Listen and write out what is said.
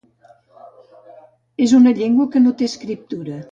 És una llengua que no té escriptura.